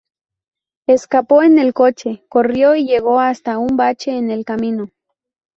Escapó en el coche, corrió y llegó hasta un bache en el camino.